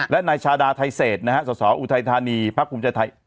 และนายชาดาไทเศษนะฮะสสออุทัยธานีพักภูมิใจไทย